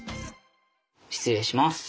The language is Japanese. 失礼します。